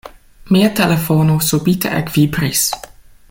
Mia telefono subite ekvibris.